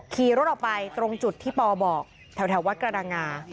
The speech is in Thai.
ขี่รถออกไปตรงจุดที่ปอบอกแถววัดกระดังงา